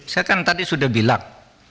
saya kan tadi sudah bilang